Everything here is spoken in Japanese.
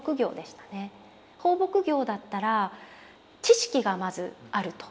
放牧業だったら知識がまずあると。